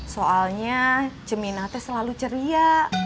soalnya ceminah teh selalu ceria